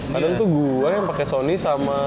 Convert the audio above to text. kadang tuh gua yang pake sony sama